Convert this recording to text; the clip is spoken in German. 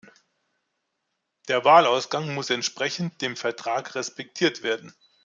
Der Wahlausgang muss entsprechend dem Vertrag respektiert werden.